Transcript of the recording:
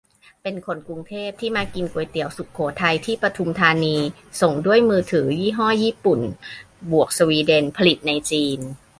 เป็นคนกรุงเทพ ที่มากินก๋วยเตี๋ยวสุโขทัย ที่ปทุมธานี ส่งด้วยมือถือยี่ห้อญี่ปุ่นบวกสวีเดน ผลิตในจีน